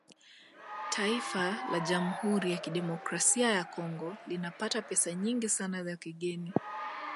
Taifa la Jamhuri ya Kidemokrasia ya Congo linapata pesa nyingi sana za kigeni